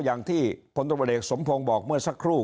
อย่างที่ผลตรวจประเด็นสมพงษ์บอกเมื่อสักครู่